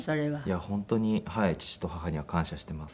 いや本当に父と母には感謝しています。